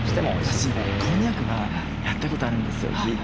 私こんにゃくはやったことあるんですよ聞いて。